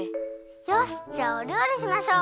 よしじゃあおりょうりしましょう！